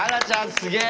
すげえ！